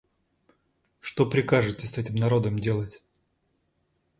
Что прикажете с этим народом делать?